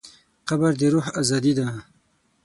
قبر د روح ازادي ده.